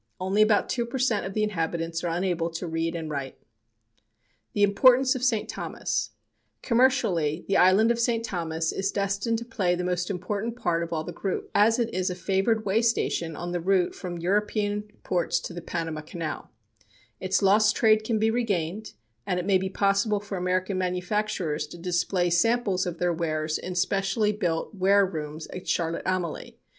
Only about two per cent. of the inhabitants are unable to read and write. [Illustration: LONGSHOREWOMEN COALING A SHIP St. Thomas Harbor] The Importance of St. Thomas Commercially, the island of St. Thomas is destined to play the most important part of all the group, as it is a favored way station on the route from European ports to the Panama Canal. Its lost trade can be regained, and it may be possible for American manufacturers to display samples of their wares in especially built ware rooms at Charlotte Amalie.